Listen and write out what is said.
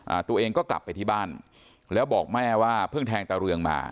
อ่าตัวเองก็กลับไปที่บ้านแล้วบอกแม่ว่าเพิ่งแทงตาเรืองมา